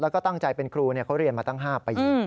แล้วก็ตั้งใจเป็นครูเขาเรียนมาตั้ง๕ปี